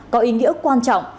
có ý nghĩa quan trọng